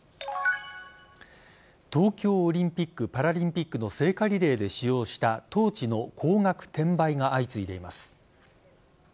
東京オリンピック・パラリンピックの聖火リレーで使用したトーチの高額転売が相次いでいます。